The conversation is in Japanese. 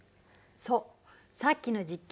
そうさっきの実験。